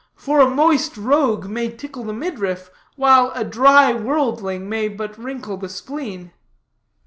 For a moist rogue may tickle the midriff, while a dry worldling may but wrinkle the spleen."